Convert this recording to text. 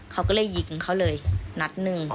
เขาก็เลยยิงเขาเลยนัดหนึ่ง